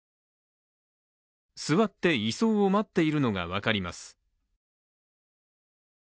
座って移送を待っているのが分かります。